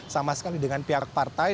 sama sekali dengan pihak partai